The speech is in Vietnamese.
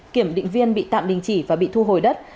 kiểm định viên bị tạm đình chỉ và bị thu hồi đất